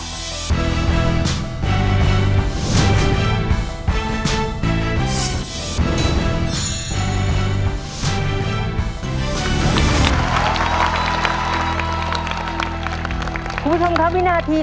คุณผู้ชมครับวินาที